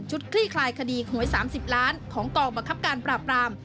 คลี่คลายคดีหวย๓๐ล้านของกองบังคับการปราบราม